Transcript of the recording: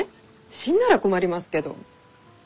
死んだら困りますけど。